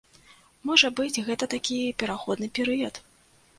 Можа быць, гэта такі пераходны перыяд.